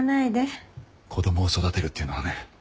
子供を育てるっていうのはね